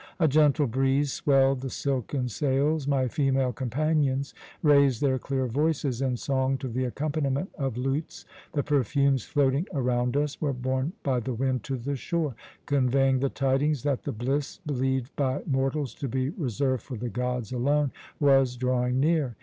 A gentle breeze swelled the silken sails; my female companions raised their clear voices in song to the accompaniment of lutes; the perfumes floating around us were borne by the wind to the shore, conveying the tidings that the bliss believed by mortals to be reserved for the gods alone was drawing near.